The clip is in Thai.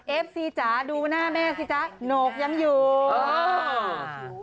เอฟซีจ๋าดูหน้าแม่สิจ๊ะโหนกยังอยู่เออ